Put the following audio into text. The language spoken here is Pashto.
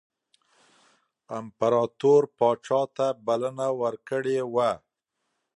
امپراطور پاچا ته بلنه ورکړې وه.